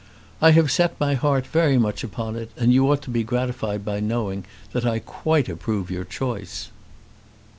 "I have set my heart very much upon it, and you ought to be gratified by knowing that I quite approve your choice."